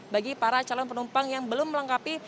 bagi para calon penumpang yang belum melengkapi